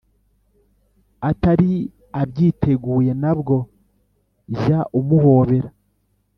atari abyiteguye nabwo jya umuhobera